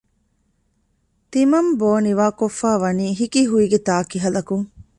ތިމަން ބޯ ނިވާކޮށްފައިވަނީ ހިކިހުއިގެ ތާކިހަލަކުން